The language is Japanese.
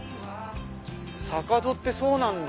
坂戸ってそうなんだ。